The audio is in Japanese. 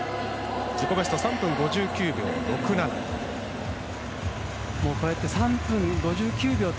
自己ベスト３分５９秒６７。